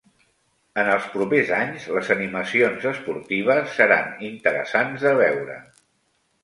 En els propers anys, les animacions esportives seran interessants de veure.